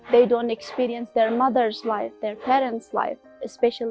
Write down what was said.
mereka tidak mengalami kehidupan ibu dan ibu bapa mereka